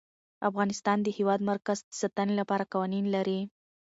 افغانستان د د هېواد مرکز د ساتنې لپاره قوانین لري.